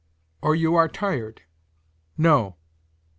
"Or you are tired?" "No."